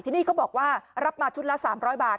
นี่เขาบอกว่ารับมาชุดละ๓๐๐บาท